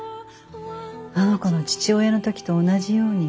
あの子の父親の時と同じように。